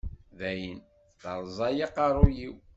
Dayen, terẓa-yi aqerru-iw.